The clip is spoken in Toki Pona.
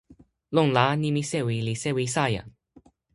lon la nimi sewi li sewi Sajan.